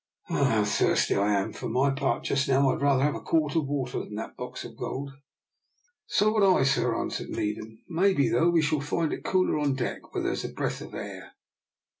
Oh, how thirsty I am. For my part, just now, I would rather have a quart of water than that box of gold." "So would I, sir," answered Needham; "may be, though, we shall find it cooler on deck, where there is a breath of air."